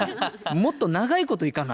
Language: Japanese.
もっと長いこと行かな。